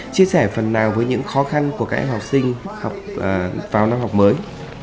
chia sẻ phần nào với những khó khăn của các em học sinh vào năm học mới